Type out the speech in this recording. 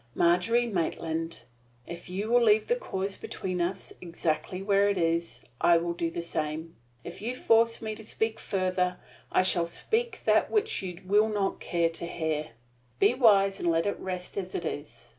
"Margery Maitland! if you will leave the cause between us exactly where it is, I will do the same. If you force me to speak further, I shall speak that which you will not care to hear. Be wise and let it rest as it is.